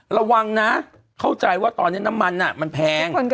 ระวังนะเข้าใจว่าตอนนี้น้ำมันมันแพง